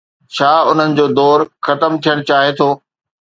ڇا انهن جو دور ختم ٿيڻ چاهي ٿو؟